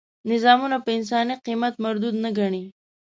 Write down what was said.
نظامونه په انساني قیمت مردود نه ګڼي.